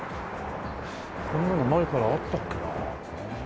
こんなの前からあったっけな？